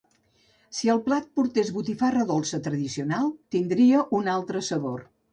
Si el plat portés botifarra dolça tradicional, tindria un altre sabor.